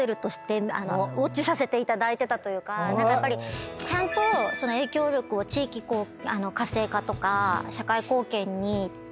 何かやっぱりちゃんと影響力を地域活性化とか社会貢献に使われてるじゃないですか。